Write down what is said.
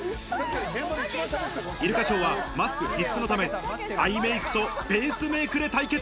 イルカショーはマスク必須のため、アイメイクとベースメイクで対決。